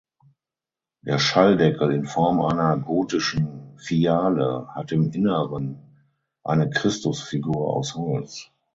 Der Schalldeckel in Form einer gotischen Fiale hat im Inneren eine Christusfigur aus Holz.